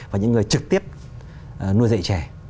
và những người trực tiếp nuôi dạy trẻ